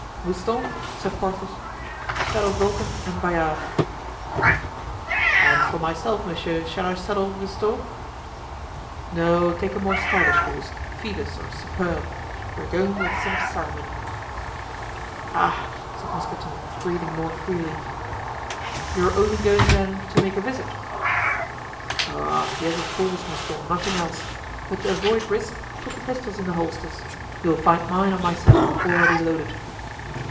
"Mouston," said Porthos, "saddle Vulcan and Bayard." "And for myself, monsieur, shall I saddle Rustaud?" "No, take a more stylish horse, Phoebus or Superbe; we are going with some ceremony." "Ah," said Mousqueton, breathing more freely, "you are only going, then, to make a visit?" "Oh! yes, of course, Mouston; nothing else. But to avoid risk, put the pistols in the holsters. You will find mine on my saddle, already loaded."